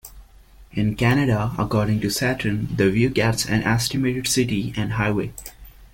In Canada, according to Saturn, the Vue gets an estimated city and highway.